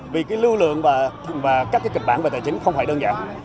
vì cái lưu lượng và các cái kịch bản về tài chính không phải đơn giản